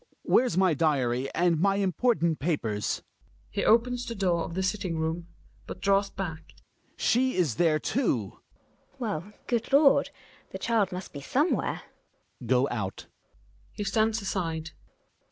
Where's my diary and my important papers? {He opens the door of the sitting room, but draws back.) She is there too !^ 128 THE WILD DUCK. GiNA. Well, good Lord, the child must b« somewhere. Hjalmar. Go out. He stands aside.